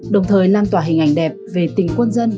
đồng thời lan tỏa hình ảnh đẹp về tình quân dân